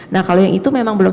nah kalau yang itu memang belum